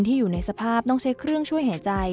อยู่ในสภาพต้องใช้เครื่องช่วยหายใจ